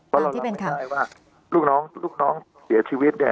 เพราะเรารู้ไม่ได้ว่าลูกน้องเสียชีวิต